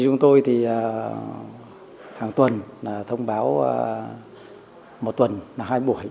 chúng tôi hàng tuần thông báo một tuần hay hai buổi